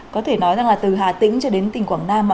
có thể nói rằng là từ hà tĩnh cho đến tỉnh quảng nam ạ